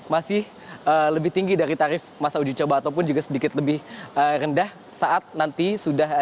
masih lebih tinggi dari tarif masa uji coba ataupun juga sedikit lebih rendah